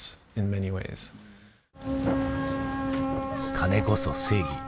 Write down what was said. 金こそ正義。